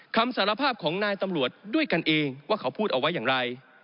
คำสารภาพของนายตำรวจด้วยกันเองว่าเขาพูดเอาไว้อย่างไร